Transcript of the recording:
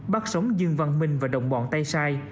bắt sống dương văn minh và đồng bọn tay sai